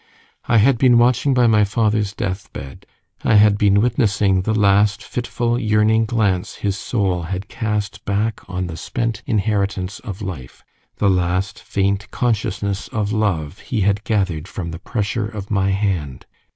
I had been watching by my father's deathbed: I had been witnessing the last fitful yearning glance his soul had cast back on the spent inheritance of life the last faint consciousness of love he had gathered from the pressure of my hand.